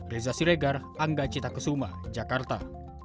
reza siregar angga cita kesuma jakarta